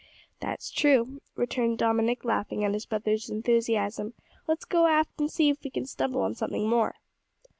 "That's true," returned Dominick, laughing at his brother's enthusiasm; "let's go aft and see if we can stumble on something more."